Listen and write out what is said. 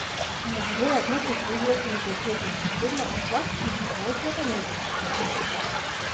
Најверојатно ќе се огласи некој кретен со предлабок глас и ќе го отера негде.